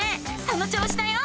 その調子だよ！